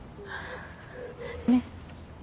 ねっ。